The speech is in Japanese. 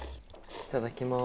いただきます。